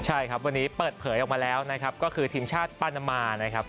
ใช่ครับวันนี้เปิดเผยออกมาแล้วนะครับก็คือทีมชาติปานามานะครับ